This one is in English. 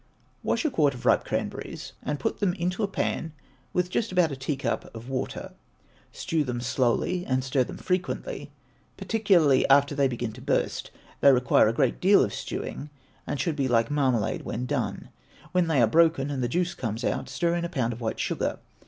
Wash a quart of ripe cranberries, and put them into a pan with just about a teacup of water; stew them slowly and stir them frequently, particularly after they begin to burst. They require a great deal of stewing, and should be like marmalade when done. When they are broken and the juice comes out, stir in a pound of white sugar.